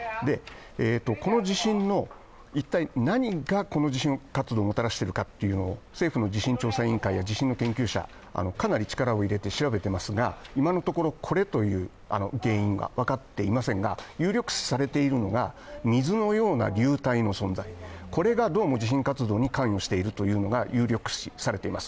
この地震の一体何がこの地震活動をもたらしているかっていうのを政府の地震調査委員会や地震の研究者、かなり力を入れて調べていますが今のところ、これという原因は分かっていませんが、有力視されているのが水のような流体の存在、これがどうも地震活動に関与しているというのが有力視されています。